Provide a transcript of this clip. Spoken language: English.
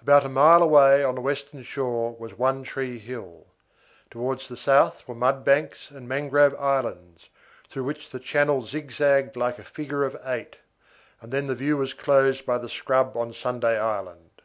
About a mile away on the western shore was One Tree Hill. Towards the south were mud banks and mangrove islands, through which the channel zigzagged like a figure of eight, and then the view was closed by the scrub on Sunday Island.